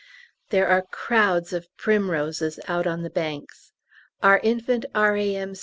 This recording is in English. There are crowds of primroses out on the banks. Our infant R.A.M.